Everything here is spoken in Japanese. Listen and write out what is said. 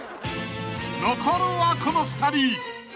［残るはこの２人］